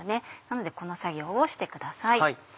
なのでこの作業をしてください。